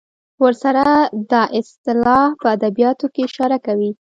ورسره دا اصطلاح په ادبیاتو کې اشاره کوي.